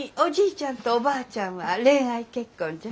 ちゃんとおばあちゃんは恋愛結婚じゃ。